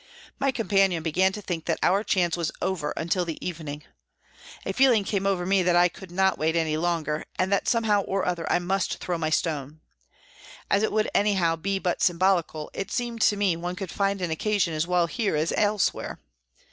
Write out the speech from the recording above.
My companion began to think that our chance was over until the evening. A feeling came over me that I could not wait any longer, and that somehow or other I must throw my stone. As it would anyhow be but symbolical, it seemed to me one could find an occasion as well here as elsewhere.